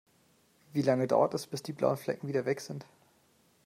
Wie lange dauert es, bis die blauen Flecken wieder weg sind?